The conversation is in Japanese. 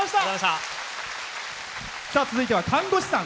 続いては、看護師さん。